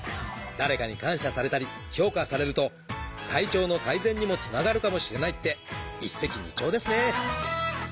誰かに感謝されたり評価されると体調の改善にもつながるかもしれないって一石二鳥ですね。